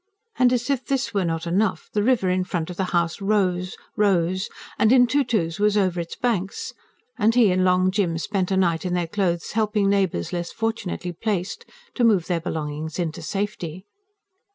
As if this were not enough, the river in front of the house rose rose, and in two twos was over its banks and he and Long Jim spent a night in their clothes, helping neighbours less fortunately placed to move their belongings into safety.